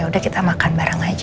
udah kita makan bareng aja